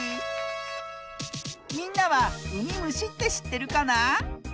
みんなはうみむしってしってるかな？